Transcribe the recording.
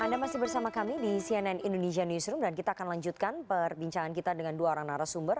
anda masih bersama kami di cnn indonesia newsroom dan kita akan lanjutkan perbincangan kita dengan dua orang narasumber